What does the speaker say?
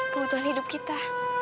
kebutuhan hidup kita